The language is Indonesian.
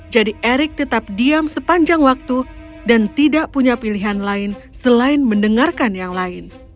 jadi eric tetap diam sepanjang waktu dan tidak punya pilihan lain selain mendengarkan yang lain